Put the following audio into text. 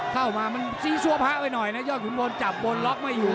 เข้ามามันซีซัวพะไปหน่อยนะยอดขุนพลจับบนล็อกไม่อยู่